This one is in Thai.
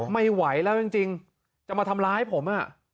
ไม่ไหวแล้วจริงจะมาทำร้ายผม